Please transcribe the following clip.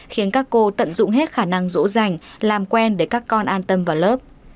khiến các cô tận dụng hết khả năng rỗ rành làm quen để các con an tâm vào lớp